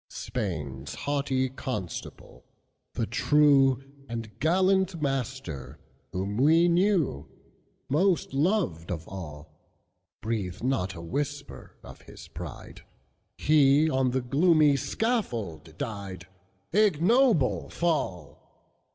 Spain's haughty Constable, the trueAnd gallant Master, whom we knewMost loved of all; Breathe not a whisper of his pride, He on the gloomy scaffold died, Ignoble fall!